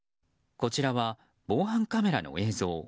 こちらは防犯カメラの映像。